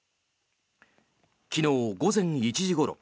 昨日午前１時ごろ